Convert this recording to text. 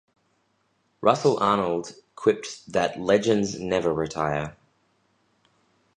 Russell Arnold quipped that "Legends never retire".